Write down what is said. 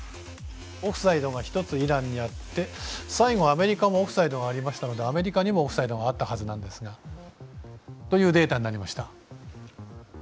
オフサイドが１つイランにあって最後、アメリカもオフサイドがあったのでアメリカにもオフサイドがあったはずというデータになりました。